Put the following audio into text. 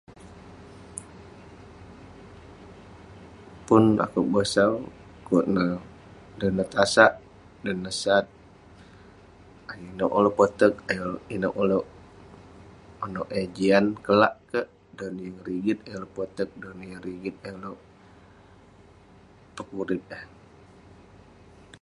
Pun akouk bosau kuk neh, dan neh tasak dan neh sat, [unintelligible] inouk ulouk poteg eh, ayuk inouk ulouk manouk eh jian kelak kek. Dan neh yeng rigit ayuk ulouk poteg, dan neh yeng rigit ayuk ulouk pekurip eh.